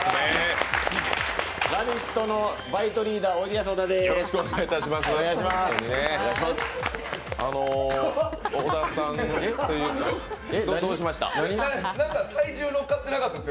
「ラヴィット！」のバイトリーダー、小田です。